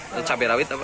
ini cabai rawit apa